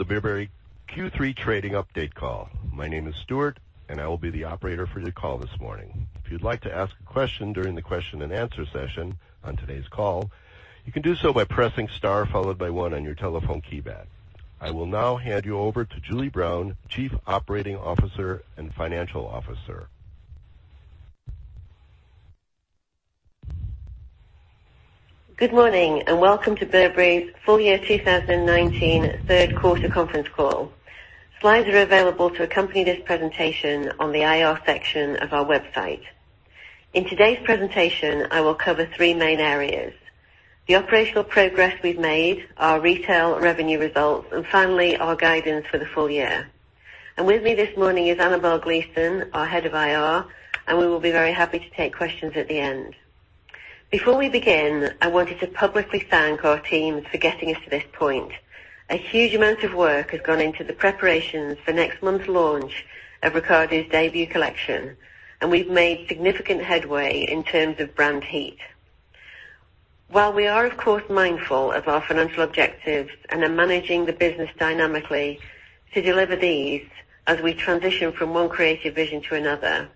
The Burberry Q3 trading update call. My name is Stuart, I will be the operator for your call this morning. If you'd like to ask a question during the question and answer session on today's call, you can do so by pressing star followed by one on your telephone keypad. I will now hand you over to Julie Brown, Chief Operating Officer and Financial Officer. Good morning, welcome to Burberry's full year 2019 third quarter conference call. Slides are available to accompany this presentation on the IR section of our website. In today's presentation, I will cover three main areas. The operational progress we've made, our retail revenue results, and finally, our guidance for the full year. With me this morning is Annabel Gleeson, our head of IR, we will be very happy to take questions at the end. Before we begin, I wanted to publicly thank our teams for getting us to this point. A huge amount of work has gone into the preparations for next month's launch of Riccardo's debut collection, we've made significant headway in terms of brand heat. While we are of course mindful of our financial objectives and are managing the business dynamically to deliver these as we transition from one creative vision to another,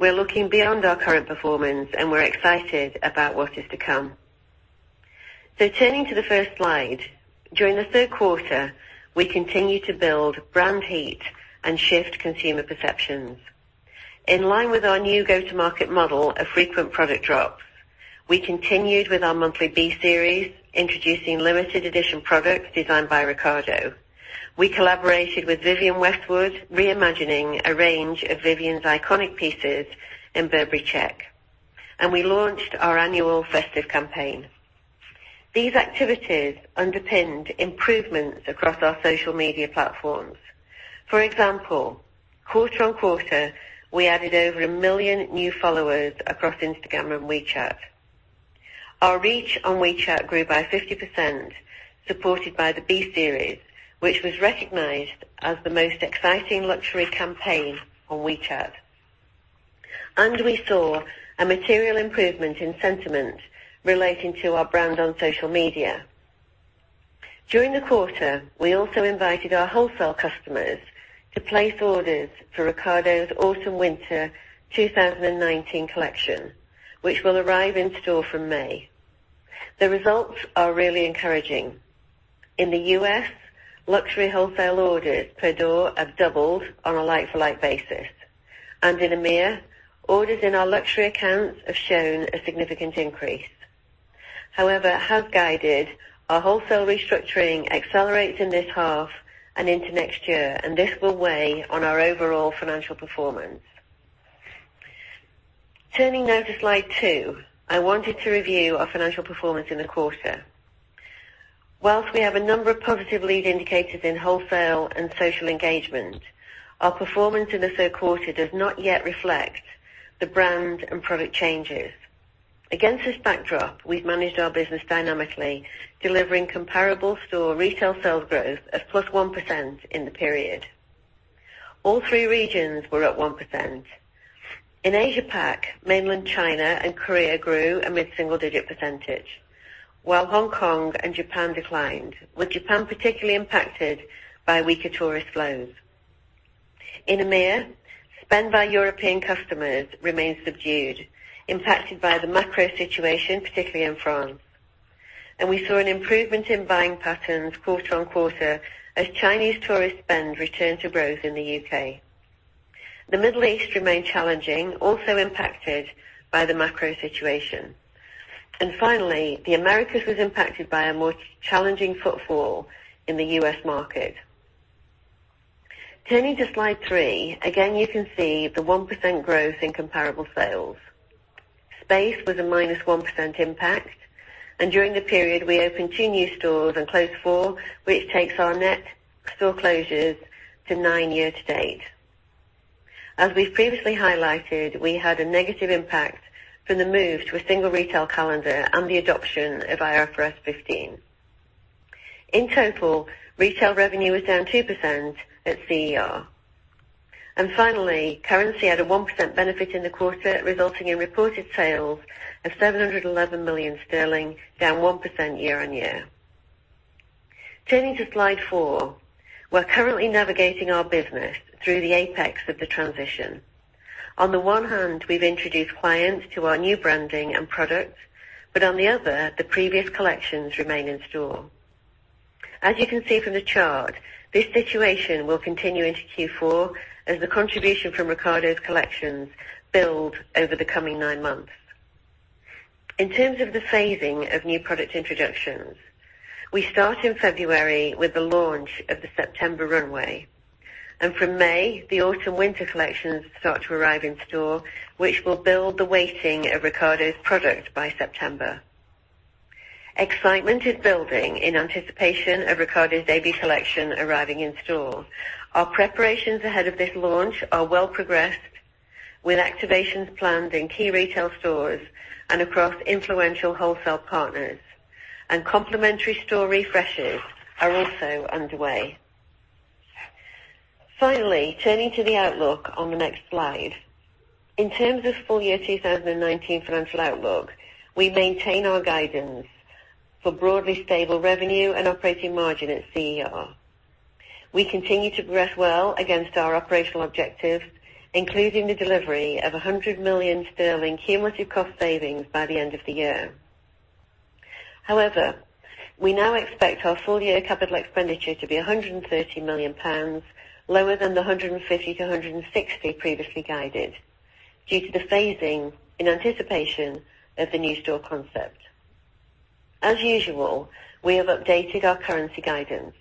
we're looking beyond our current performance, we're excited about what is to come. Turning to the first slide. During the third quarter, we continued to build brand heat and shift consumer perceptions. In line with our new go-to-market model of frequent product drops, we continued with our monthly B Series, introducing limited edition products designed by Riccardo. We collaborated with Vivienne Westwood, reimagining a range of Vivienne's iconic pieces in Burberry Check, we launched our annual festive campaign. These activities underpinned improvements across our social media platforms. For example, quarter on quarter, we added over a million new followers across Instagram and WeChat. Our reach on WeChat grew by 50%, supported by the B Series, which was recognized as the most exciting luxury campaign on WeChat. We saw a material improvement in sentiment relating to our brand on social media. During the quarter, we also invited our wholesale customers to place orders for Riccardo's autumn-winter 2019 collection, which will arrive in store from May. The results are really encouraging. In the U.S., luxury wholesale orders per door have doubled on a like-for-like basis. In EMEA, orders in our luxury accounts have shown a significant increase. However, as guided, our wholesale restructuring accelerates in this half and into next year, and this will weigh on our overall financial performance. Turning now to slide two, I wanted to review our financial performance in the quarter. Whilst we have a number of positive lead indicators in wholesale and social engagement, our performance in the third quarter does not yet reflect the brand and product changes. Against this backdrop, we've managed our business dynamically, delivering comparable store retail sales growth of +1% in the period. All three regions were up 1%. In Asia Pac, mainland China and Korea grew a mid-single digit %, while Hong Kong and Japan declined, with Japan particularly impacted by weaker tourist flows. In EMEA, spend by European customers remained subdued, impacted by the macro situation, particularly in France. We saw an improvement in buying patterns quarter-on-quarter as Chinese tourist spend returned to growth in the U.K. The Middle East remained challenging, also impacted by the macro situation. Finally, the Americas was impacted by a more challenging footfall in the U.S. market. Turning to slide three. Again, you can see the 1% growth in comparable sales. Space was a -1% impact. During the period, we opened two new stores and closed four, which takes our net store closures to nine year to date. As we've previously highlighted, we had a negative impact from the move to a single retail calendar and the adoption of IFRS 15. In total, retail revenue was down 2% at CER. Finally, currency had a 1% benefit in the quarter, resulting in reported sales of 711 million sterling, down 1% year-on-year. Turning to slide four. We're currently navigating our business through the apex of the transition. On the one hand, we've introduced clients to our new branding and products, but on the other, the previous collections remain in store. As you can see from the chart, this situation will continue into Q4 as the contribution from Riccardo's collections build over the coming nine months. In terms of the phasing of new product introductions, we start in February with the launch of the September runway. From May, the autumn/winter collections start to arrive in store, which will build the weighting of Riccardo's product by September. Excitement is building in anticipation of Riccardo's debut collection arriving in store. Our preparations ahead of this launch are well progressed with activations planned in key retail stores and across influential wholesale partners. Complimentary store refreshes are also underway. Finally, turning to the outlook on the next slide. In terms of full-year 2019 financial outlook, we maintain our guidance for broadly stable revenue and operating margin at CER. We continue to progress well against our operational objectives, including the delivery of 100 million sterling cumulative cost savings by the end of the year. However, we now expect our full-year capital expenditure to be 130 million pounds, lower than the 150 million-160 million previously guided, due to the phasing in anticipation of the new store concept. As usual, we have updated our currency guidance.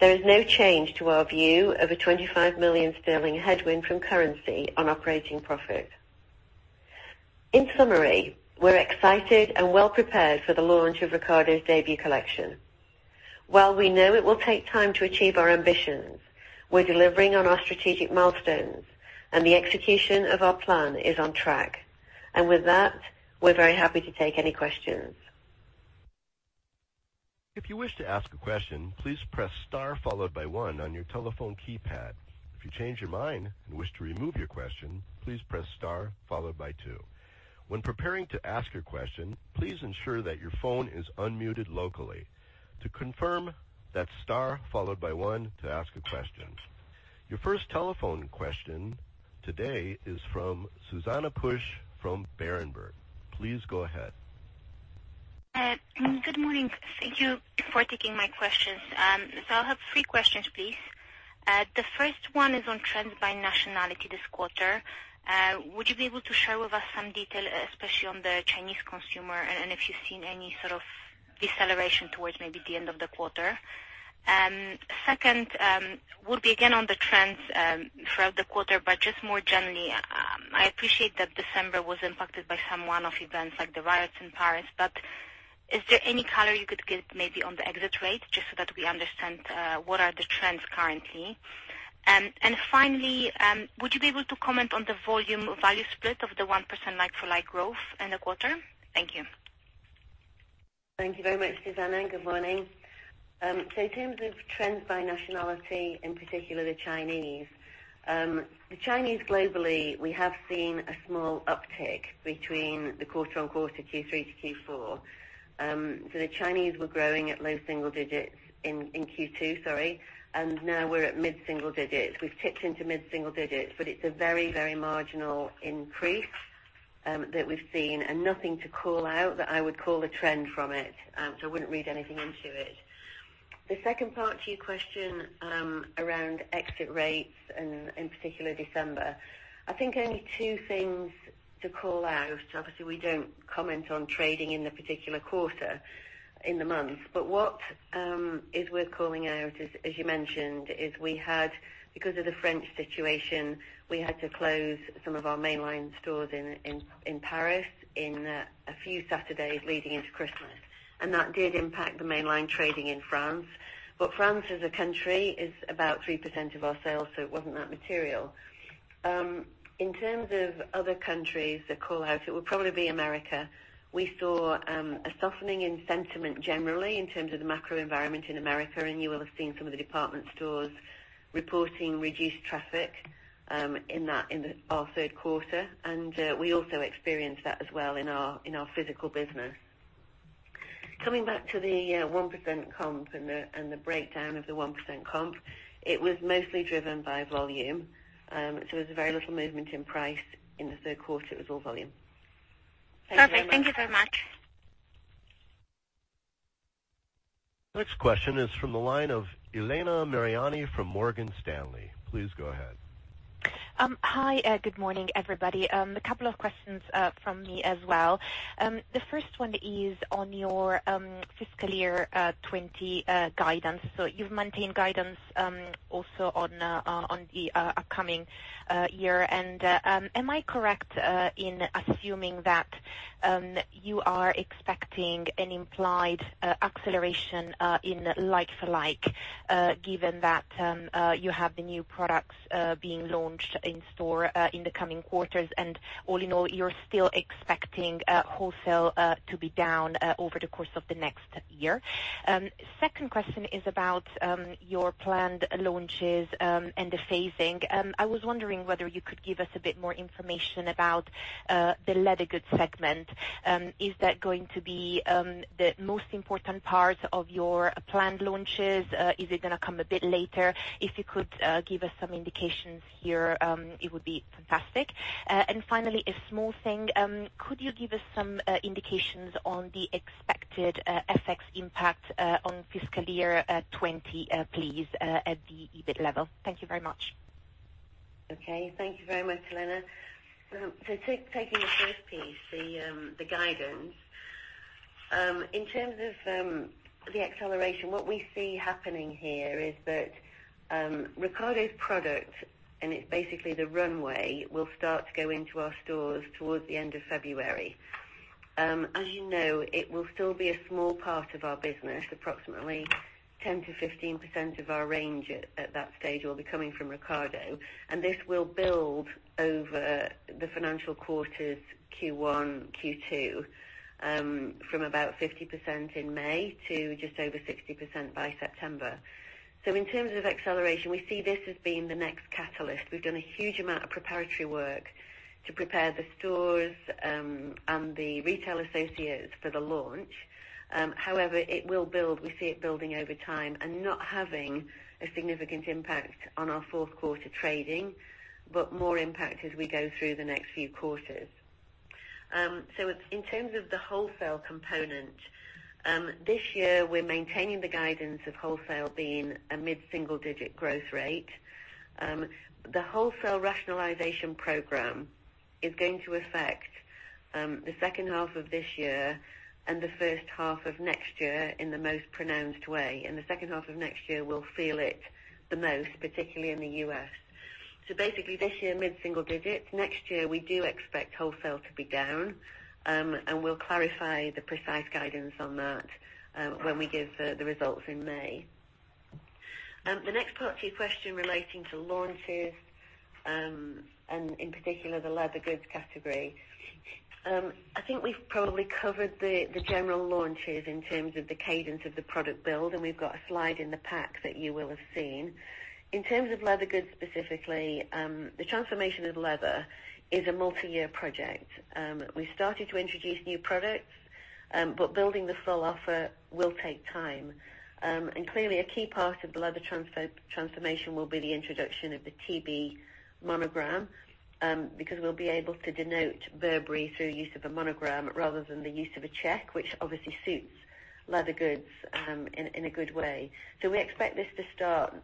There is no change to our view of a 25 million sterling headwind from currency on operating profit. In summary, we're excited and well prepared for the launch of Riccardo's debut collection. While we know it will take time to achieve our ambitions, we're delivering on our strategic milestones, and the execution of our plan is on track. With that, we're very happy to take any questions. If you wish to ask a question, please press star followed by one on your telephone keypad. If you change your mind and wish to remove your question, please press star followed by two. When preparing to ask a question, please ensure that your phone is unmuted locally. To confirm, that's star followed by one to ask a question. Your first telephone question today is from Susanna Pusch from Berenberg. Please go ahead. Good morning. Thank you for taking my questions. I have three questions, please. The first one is on trends by nationality this quarter. Would you be able to share with us some detail, especially on the Chinese consumer, and if you've seen any sort of deceleration towards maybe the end of the quarter? Second would be again on the trends throughout the quarter, but just more generally. I appreciate that December was impacted by some one-off events like the riots in Paris, but is there any color you could give maybe on the exit rate, just so that we understand what are the trends currently? Finally, would you be able to comment on the volume value split of the 1% like-for-like growth in the quarter? Thank you. Thank you very much, Susanna. Good morning. In terms of trends by nationality, in particular the Chinese. The Chinese globally, we have seen a small uptick between the quarter-on-quarter Q3 to Q4. The Chinese were growing at low single digits in Q2, and now we're at mid-single digits. We've ticked into mid-single digits, but it's a very marginal increase that we've seen and nothing to call out that I would call a trend from it. I wouldn't read anything into it. The second part to your question around exit rates and in particular December. I think only two things to call out. Obviously, we don't comment on trading in the particular quarter in the month. What is worth calling out, as you mentioned, is because of the French situation, we had to close some of our mainline stores in Paris in a few Saturdays leading into Christmas, and that did impact the mainline trading in France. France as a country is about 3% of our sales, so it wasn't that material. In terms of other countries that call out, it would probably be America. We saw a softening in sentiment generally in terms of the macro environment in America, and you will have seen some of the department stores reporting reduced traffic in our third quarter. We also experienced that as well in our physical business. Coming back to the 1% comp and the breakdown of the 1% comp, it was mostly driven by volume. There was very little movement in price in the third quarter. It was all volume. Thank you very much. Perfect. Thank you so much. Next question is from the line of Elena Mariani from Morgan Stanley. Please go ahead. Hi. Good morning, everybody. A couple of questions from me as well. The first one is on your fiscal year 2020 guidance. You've maintained guidance also on the upcoming year. Am I correct in assuming that you are expecting an implied acceleration in like for like, given that you have the new products being launched in store in the coming quarters and all in all you're still expecting wholesale to be down over the course of the next year? Second question is about your planned launches and the phasing. I was wondering whether you could give us a bit more information about the leather goods segment. Is that going to be the most important part of your planned launches? Is it going to come a bit later? If you could give us some indications here it would be fantastic. Finally, a small thing. Could you give us some indications on the expected FX impact on fiscal year 2020, please, at the EBIT level? Thank you very much. Okay. Thank you very much, Elena. Taking the first piece, the guidance. In terms of the acceleration, what we see happening here is that Riccardo's product, and it's basically the runway, will start to go into our stores towards the end of February. As you know, it will still be a small part of our business. Approximately 10%-15% of our range at that stage will be coming from Riccardo, and this will build over the financial quarters Q1, Q2, from about 50% in May to just over 60% by September. In terms of acceleration, we see this as being the next catalyst. We've done a huge amount of preparatory work to prepare the stores and the retail associates for the launch. However, it will build. We see it building over time and not having a significant impact on our fourth quarter trading, but more impact as we go through the next few quarters. In terms of the wholesale component, this year we're maintaining the guidance of wholesale being a mid-single digit growth rate. The wholesale rationalization program is going to affect the second half of this year and the first half of next year in the most pronounced way. In the second half of next year, we'll feel it the most, particularly in the U.S. Basically this year, mid-single digits. Next year, we do expect wholesale to be down. We'll clarify the precise guidance on that when we give the results in May. The next part to your question relating to launches, and in particular, the leather goods category. I think we've probably covered the general launches in terms of the cadence of the product build, and we've got a slide in the pack that you will have seen. In terms of leather goods, specifically, the transformation of leather is a multi-year project. We started to introduce new products, but building the full offer will take time. Clearly a key part of the leather transformation will be the introduction of the TB Monogram, because we'll be able to denote Burberry through use of a monogram rather than the use of a check, which obviously suits leather goods in a good way. We expect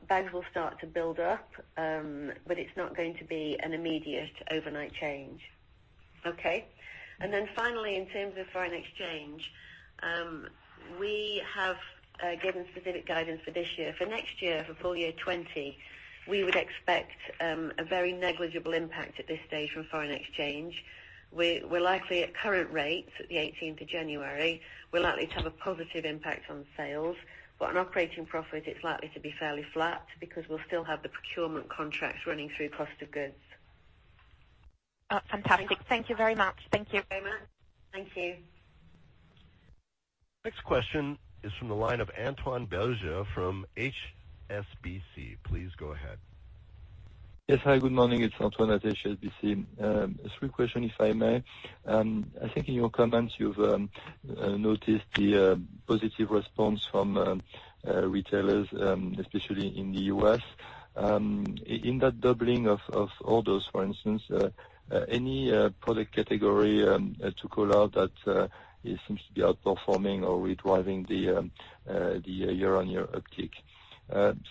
bags will start to build up, but it's not going to be an immediate overnight change. Okay. Then finally, in terms of foreign exchange, we have given specific guidance for this year. For next year, for full year 2020, we would expect a very negligible impact at this stage from foreign exchange. At current rates, at the 18th of January, we are likely to have a positive impact on sales. On operating profit, it is likely to be fairly flat because we will still have the procurement contracts running through cost of goods. Fantastic. Thank you very much. Thank you. Thank you. Next question is from the line of Antoine Belge from HSBC. Please go ahead. Yes. Hi, good morning. It's Antoine at HSBC. Three question, if I may. I think in your comments you've noticed the positive response from retailers, especially in the U.S. In that doubling of orders, for instance, any product category to call out that seems to be outperforming or driving the year-on-year uptick?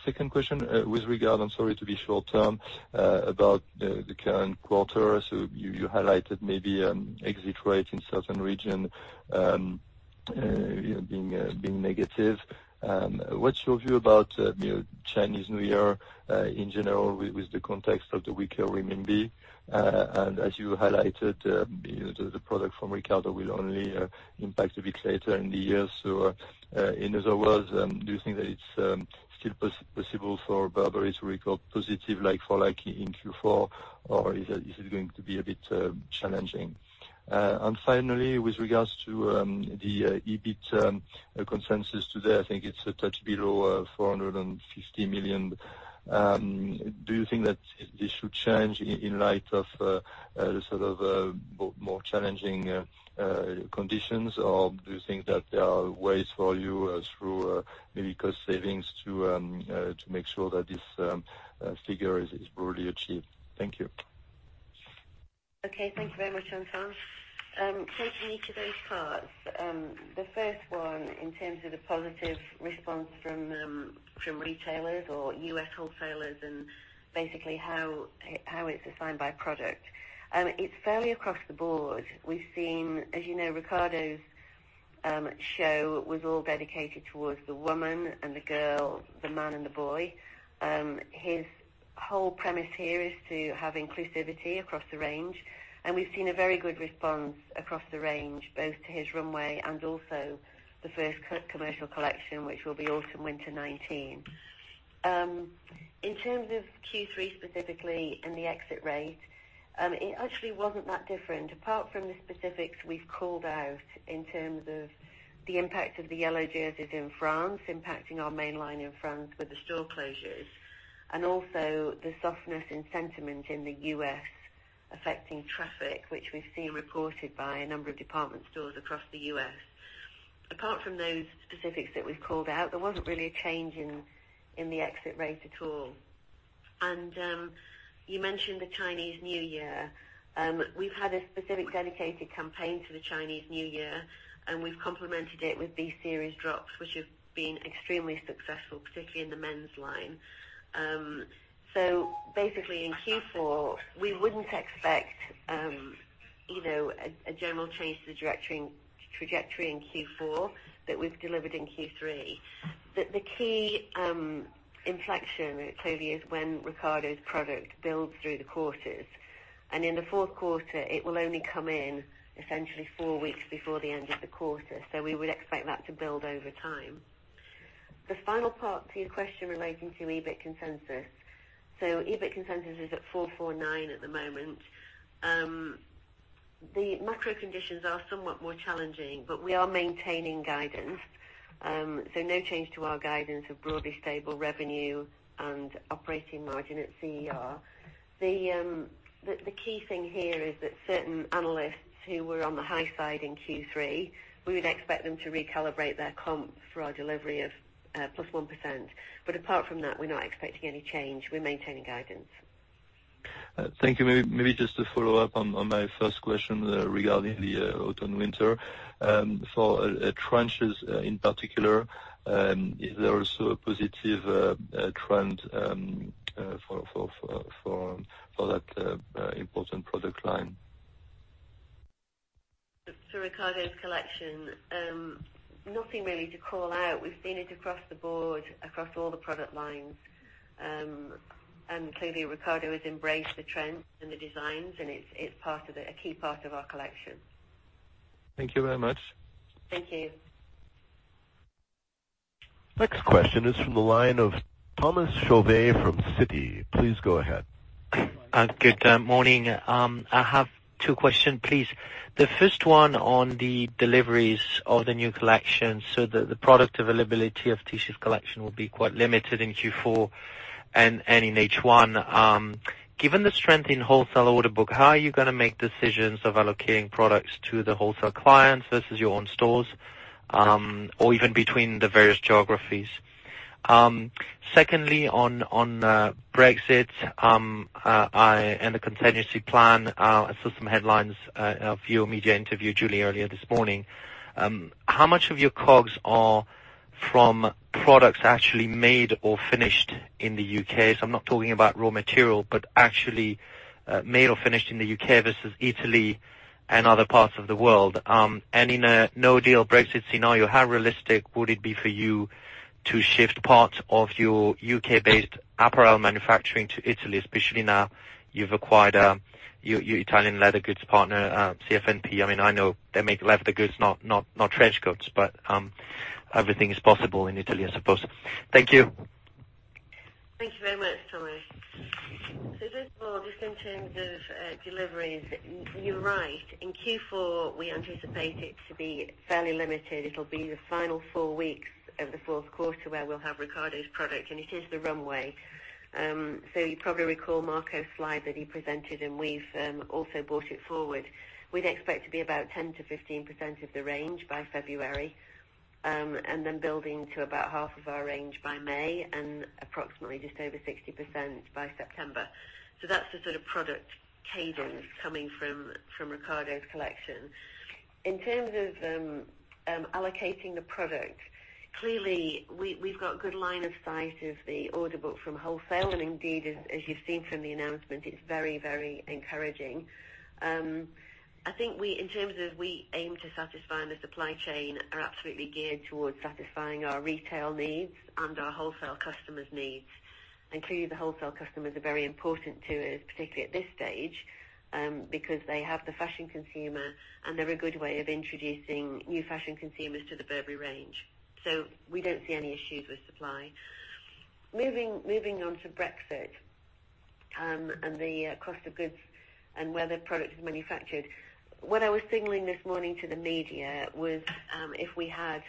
Second question, with regard, I'm sorry to be short-term, about the current quarter. You highlighted maybe exit rates in certain region being negative. What's your view about Chinese New Year in general with the context of the weaker renminbi? As you highlighted, the product from Riccardo will only impact a bit later in the year. In other words, do you think that it's still possible for Burberry to record positive like for like in Q4, or is it going to be a bit challenging? Finally, with regards to the EBIT consensus today, I think it's a touch below 450 million. Do you think that this should change in light of the sort of more challenging conditions, or do you think that there are ways for you through maybe cost savings to make sure that this figure is broadly achieved? Thank you. Okay. Thanks very much, Antoine. Taking each of those parts. The first one, in terms of the positive response from retailers or U.S. wholesalers and basically how it's assigned by product. It's fairly across the board. As you know, Riccardo's show was all dedicated towards the woman and the girl, the man, and the boy. His whole premise here is to have inclusivity across the range, and we've seen a very good response across the range, both to his runway and also the first commercial collection, which will be autumn winter 2019. In terms of Q3 specifically and the exit rate, it actually wasn't that different. Apart from the specifics we've called out in terms of the impact of the yellow vests in France impacting our main line in France with the store closures, also the softness in sentiment in the U.S. affecting traffic, which we've seen reported by a number of department stores across the U.S. Apart from those specifics that we've called out, there wasn't really a change in the exit rate at all. You mentioned the Chinese New Year. We've had a specific dedicated campaign to the Chinese New Year, we've complemented it with B Series drops, which have been extremely successful, particularly in the men's line. Basically in Q4, we wouldn't expect a general change to the trajectory in Q4 that we've delivered in Q3. The key inflection clearly is when Riccardo's product builds through the quarters. In the fourth quarter it will only come in essentially four weeks before the end of the quarter. We would expect that to build over time. The final part to your question relating to EBIT consensus. EBIT consensus is at 449 at the moment. The macro conditions are somewhat more challenging, but we are maintaining guidance. No change to our guidance of broadly stable revenue and operating margin at CER. The key thing here is that certain analysts who were on the high side in Q3, we would expect them to recalibrate their comp for our delivery of +1%. Apart from that, we're not expecting any change. We're maintaining guidance. Thank you. Maybe just to follow up on my first question regarding the autumn winter. For trenches in particular, is there also a positive trend for that important product line? For Riccardo's collection, nothing really to call out. We've seen it across the board, across all the product lines. Clearly Riccardo has embraced the trends and the designs, it's a key part of our collection. Thank you very much. Thank you. Next question is from the line of Thomas Chauvet from Citi. Please go ahead. Good morning. I have two question, please. The first one on the deliveries of the new collection, the product availability of Tisci collection will be quite limited in Q4 and in H1. Given the strength in wholesale order book, how are you going to make decisions of allocating products to the wholesale clients versus your own stores, or even between the various geographies? Secondly, on Brexit, the contingency plan. I saw some headlines of your media interview, Julie, earlier this morning. How much of your COGS are from products actually made or finished in the U.K.? I'm not talking about raw material, but actually made or finished in the U.K. versus Italy and other parts of the world. In a no-deal Brexit scenario, how realistic would it be for you to shift part of your U.K.-based apparel manufacturing to Italy, especially now you've acquired your Italian leather goods partner, CF&P? I know they make leather goods, not trench coats, but everything is possible in Italy, I suppose. Thank you. Thank you very much, Thomas. First of all, just in terms of deliveries, you're right. In Q4, we anticipate it to be fairly limited. It'll be the final four weeks of the fourth quarter where we'll have Riccardo's product, and it is the runway. You probably recall Marco's slide that he presented, and we've also brought it forward. We'd expect to be about 10%-15% of the range by February, then building to about half of our range by May and approximately just over 60% by September. That's the sort of product cadence coming from Riccardo's collection. In terms of allocating the product, clearly, we've got good line of sight of the order book from wholesale, indeed, as you've seen from the announcement, it's very encouraging. We aim to satisfy and the supply chain are absolutely geared towards satisfying our retail needs and our wholesale customers' needs. Clearly the wholesale customers are very important to us, particularly at this stage, because they have the fashion consumer, and they're a good way of introducing new fashion consumers to the Burberry range. We don't see any issues with supply. Moving on to Brexit, the cost of goods and where the product is manufactured. What I was signaling this morning to the media was, if we had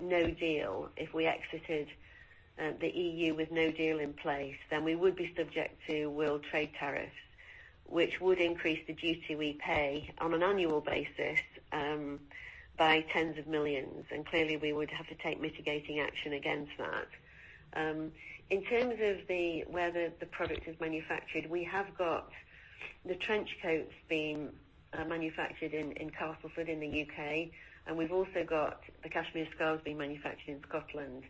no deal, if we exited the EU with no deal in place, then we would be subject to world trade tariffs, which would increase the duty we pay on an annual basis by tens of millions GBP. Clearly we would have to take mitigating action against that. In terms of where the product is manufactured, we have got the trench coats being manufactured in Castleford in the U.K., and we've also got the cashmere scarves being manufactured in Scotland.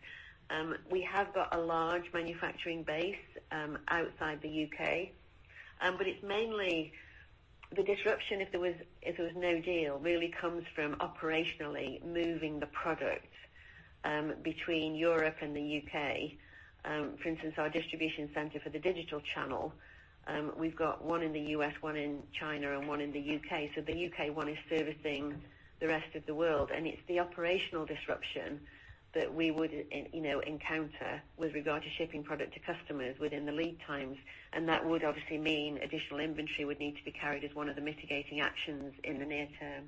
We have got a large manufacturing base outside the U.K. It's mainly the disruption if there was no deal, really comes from operationally moving the product between Europe and the U.K. For instance, our distribution center for the digital channel, we've got one in the U.S., one in China, and one in the U.K. The U.K. one is servicing the rest of the world. It's the operational disruption that we would encounter with regard to shipping product to customers within the lead times. That would obviously mean additional inventory would need to be carried as one of the mitigating actions in the near term.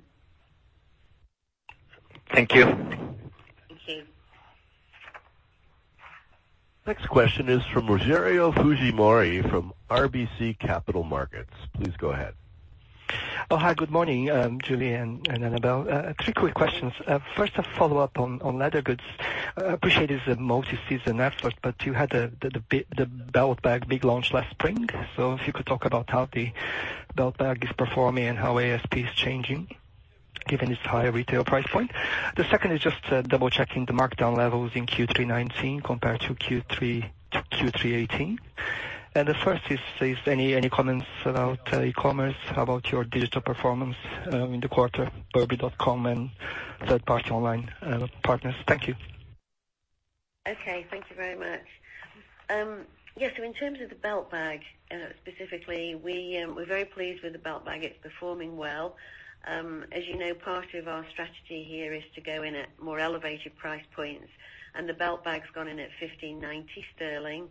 Thank you. Thank you. Next question is from Rogerio Fujimori from RBC Capital Markets. Please go ahead. Hi. Good morning, Julie and Annabel. Three quick questions. First, a follow-up on leather goods. I appreciate it's a multi-season effort, but you had the Belt Bag big launch last spring. If you could talk about how the Belt Bag is performing and how ASP is changing, given its higher retail price point. The second is just double-checking the markdown levels in Q3 2019 compared to Q3 2018. The first, is any comments about e-commerce, about your digital performance in the quarter, burberry.com and third-party online partners? Thank you. Okay. Thank you very much. In terms of the Belt Bag specifically, we're very pleased with the Belt Bag. It's performing well. As you know, part of our strategy here is to go in at more elevated price points. The Belt Bag's gone in at 1,590 sterling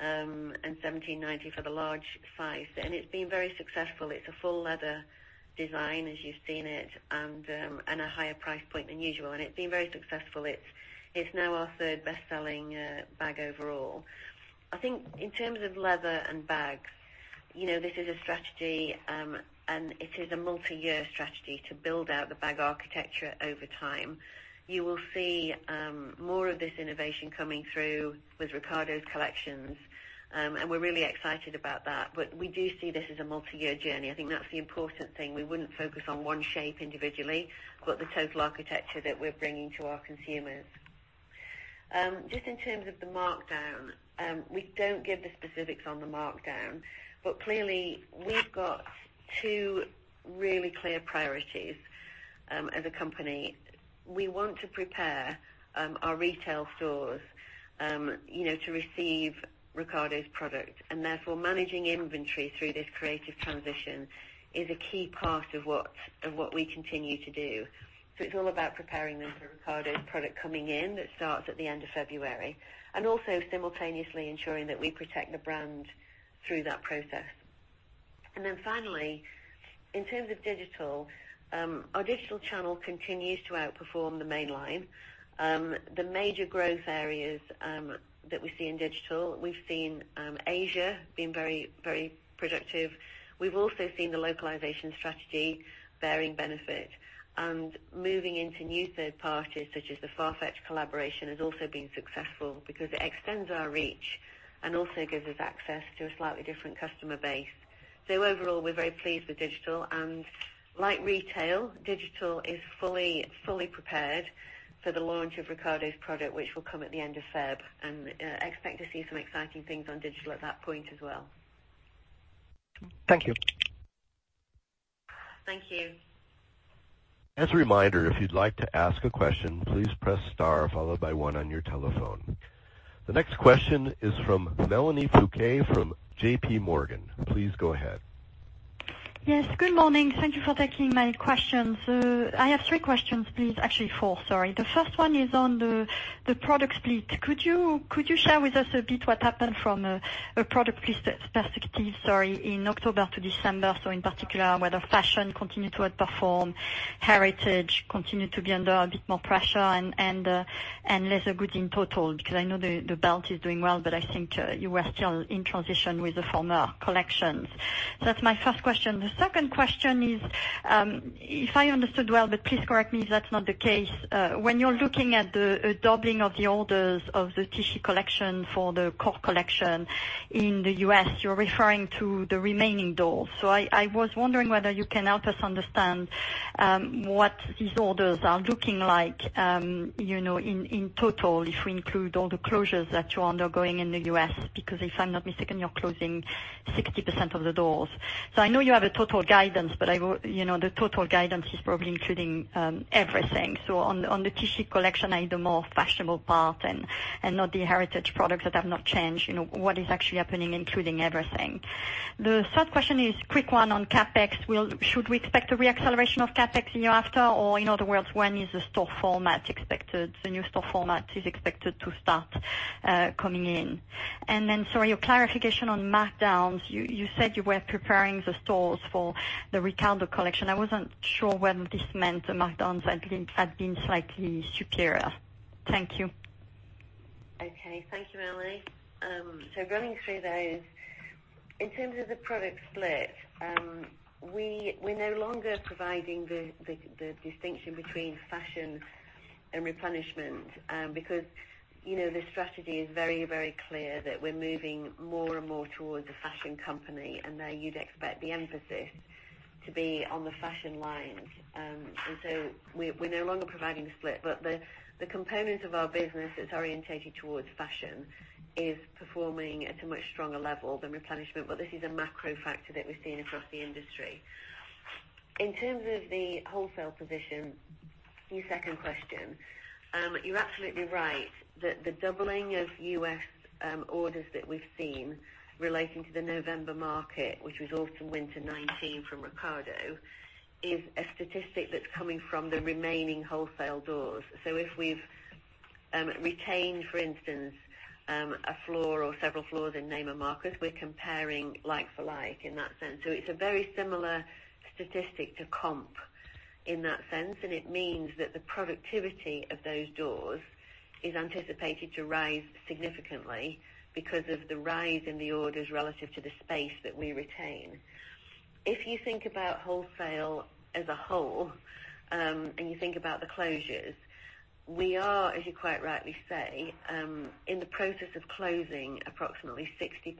and 1,790 for the large size. It's been very successful. It's a full leather design as you've seen it, a higher price point than usual. It's been very successful. It's now our third best-selling bag overall. I think in terms of leather and bags, this is a strategy. It is a multi-year strategy to build out the bag architecture over time. You will see more of this innovation coming through with Riccardo's collections. We're really excited about that. We do see this as a multi-year journey. I think that's the important thing. We wouldn't focus on one shape individually, but the total architecture that we're bringing to our consumers. Just in terms of the markdown, we don't give the specifics on the markdown. Clearly, we've got two really clear priorities as a company. We want to prepare our retail stores to receive Riccardo's product. Therefore, managing inventory through this creative transition is a key part of what we continue to do. It's all about preparing them for Riccardo's product coming in that starts at the end of February. Also simultaneously ensuring that we protect the brand through that process. Finally, in terms of digital, our digital channel continues to outperform the mainline. The major growth areas that we see in digital, we've seen Asia being very productive. We've also seen the localization strategy bearing benefit. Moving into new third parties such as the Farfetch collaboration has also been successful because it extends our reach and also gives us access to a slightly different customer base. Overall, we're very pleased with digital. Like retail, digital is fully prepared for the launch of Riccardo's product, which will come at the end of Feb. Expect to see some exciting things on digital at that point as well. Thank you. Thank you. As a reminder, if you'd like to ask a question, please press star followed by 1 on your telephone. The next question is from Mélanie Flouquet from JP Morgan. Please go ahead. Yes, good morning. Thank you for taking my questions. I have three questions, please. Actually, four, sorry. The first one is on the product split. Could you share with us a bit what happened from a product perspective, sorry, in October to December, in particular, whether fashion continued to outperform, heritage continued to be under a bit more pressure and leather goods in total because I know the belt is doing well, but I think you were still in transition with the former collections. That's my first question. The second question is, if I understood well, but please correct me if that's not the case. When you're looking at the doubling of the orders of the Tisci collection for the core collection in the U.S., you're referring to the remaining doors. I was wondering whether you can help us understand what these orders are looking like in total if we include all the closures that you're undergoing in the U.S., because if I'm not mistaken, you're closing 60% of the doors. I know you have a total guidance, but the total guidance is probably including everything. On the Tisci collection and the more fashionable part and not the heritage products that have not changed, what is actually happening, including everything. The third question is a quick one on CapEx. Should we expect a re-acceleration of CapEx in year after, or in other words, when is the store format expected, the new store format is expected to start coming in? Sorry, a clarification on markdowns. You said you were preparing the stores for the Riccardo collection. I wasn't sure whether this meant the markdowns had been slightly superior. Thank you. Okay. Thank you, Mélanie. Going through those, in terms of the product split, we're no longer providing the distinction between fashion and replenishment because the strategy is very clear that we're moving more and more towards a fashion company, there you'd expect the emphasis to be on the fashion lines. We're no longer providing the split, but the component of our business that's orientated towards fashion is performing at a much stronger level than replenishment. This is a macro factor that we're seeing across the industry. In terms of the wholesale position, your second question, you're absolutely right that the doubling of U.S. orders that we've seen relating to the November market, which was autumn/winter 2019 from Riccardo, is a statistic that's coming from the remaining wholesale doors. If we've retained, for instance, a floor or several floors in Neiman Marcus, we're comparing like for like in that sense. It's a very similar statistic to comp in that sense, and it means that the productivity of those doors is anticipated to rise significantly because of the rise in the orders relative to the space that we retain. If you think about wholesale as a whole, and you think about the closures, we are, as you quite rightly say, in the process of closing approximately 60%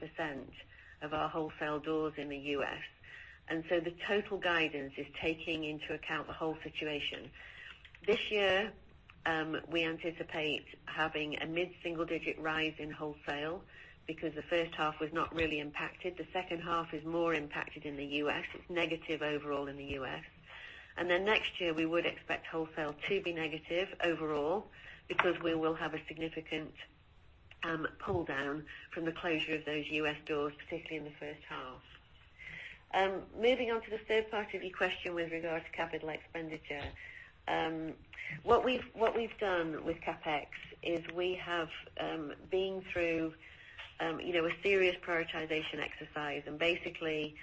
of our wholesale doors in the U.S. The total guidance is taking into account the whole situation. This year, we anticipate having a mid-single-digit rise in wholesale because the first half was not really impacted. The second half is more impacted in the U.S. It's negative overall in the U.S. Next year, we would expect wholesale to be negative overall because we will have a significant pull down from the closure of those U.S. doors, particularly in the first half. Moving on to the third part of your question with regards to capital expenditure. What we've done with CapEx is we have been through a serious prioritization exercise and basically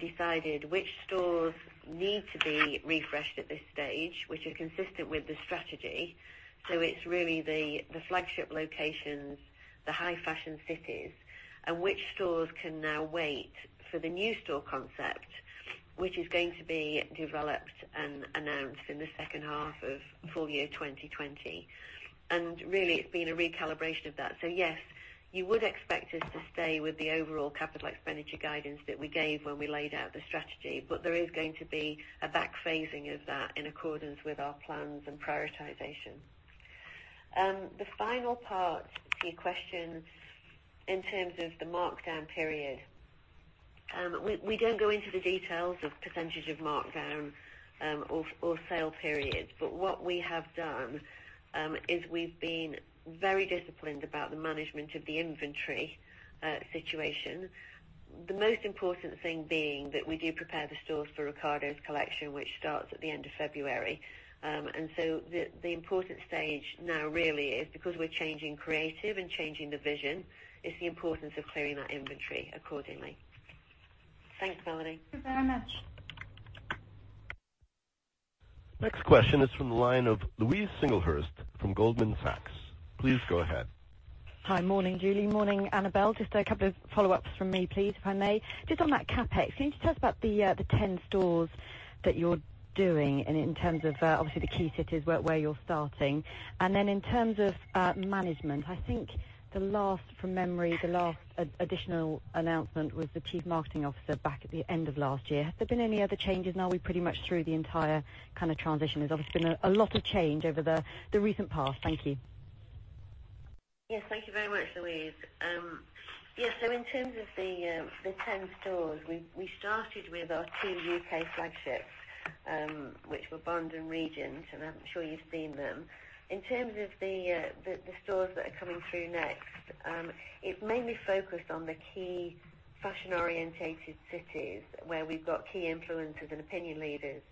decided which stores need to be refreshed at this stage, which is consistent with the strategy. It's really the flagship locations, the high fashion cities, and which stores can now wait for the new store concept, which is going to be developed and announced in the second half of full year 2020. Really it's been a recalibration of that. Yes, you would expect us to stay with the overall capital expenditure guidance that we gave when we laid out the strategy. There is going to be a back phasing of that in accordance with our plans and prioritization. The final part to your question in terms of the markdown period. We don't go into the details of percentage of markdown or sale periods, but what we have done is we've been very disciplined about the management of the inventory situation. The most important thing being that we do prepare the stores for Riccardo's collection, which starts at the end of February. The important stage now really is because we're changing creative and changing the vision, is the importance of clearing that inventory accordingly. Thanks, Mélanie. Thank you very much. Next question is from the line of Louise Singlehurst from Goldman Sachs. Please go ahead. Hi. Morning, Julie. Morning, Annabel. Just a couple of follow-ups from me, please, if I may. Just on that CapEx, can you just tell us about the 10 stores that you're doing and in terms of obviously the key cities where you're starting? Then in terms of management, I think the last, from memory, the last additional announcement was the Chief Marketing Officer back at the end of last year. Have there been any other changes, and are we pretty much through the entire kind of transition? There's obviously been a lot of change over the recent past. Thank you. Yes, thank you very much, Louise. In terms of the 10 stores, we started with our two U.K. flagships, which were Bond and Regent, and I'm sure you've seen them. In terms of the stores that are coming through next, it mainly focused on the key fashion-orientated cities where we've got key influencers and opinion leaders.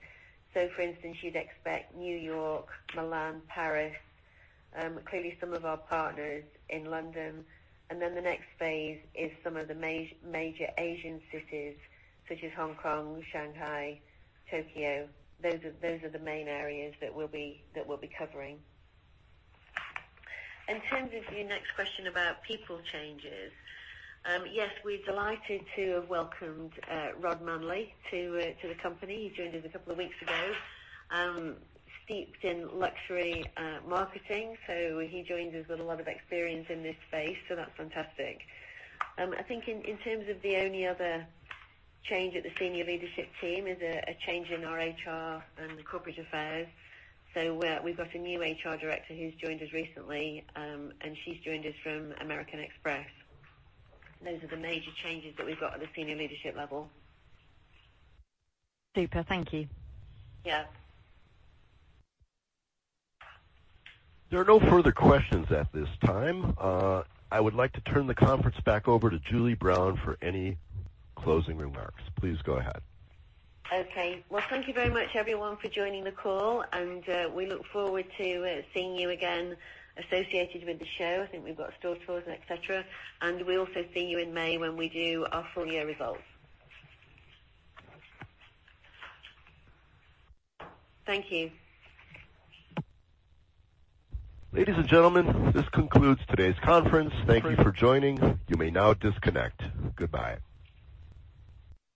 For instance, you'd expect New York, Milan, Paris, clearly some of our partners in London. The next phase is some of the major Asian cities such as Hong Kong, Shanghai, Tokyo. Those are the main areas that we'll be covering. In terms of your next question about people changes. Yes, we're delighted to have welcomed Rod Manley to the company. He joined us a couple of weeks ago. Steeped in luxury marketing. He joins us with a lot of experience in this space, so that's fantastic. I think in terms of the only other change at the senior leadership team is a change in our HR and the corporate affairs. We've got a new HR director who's joined us recently, and she's joined us from American Express. Those are the major changes that we've got at the senior leadership level. Super. Thank you. Yeah. There are no further questions at this time. I would like to turn the conference back over to Julie Brown for any closing remarks. Please go ahead. Okay. Well, thank you very much, everyone, for joining the call. We look forward to seeing you again associated with the show. I think we've got store tours and et cetera. We also see you in May when we do our full year results. Thank you. Ladies and gentlemen, this concludes today's conference. Thank you for joining. You may now disconnect. Goodbye.